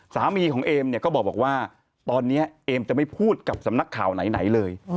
สามีของเอมเนี่ยก็บอกว่าตอนนี้เอมจะไม่พูดกับสำนักข่าวไหนเลย